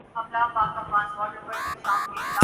سمجھانے کی کوشش کی ہے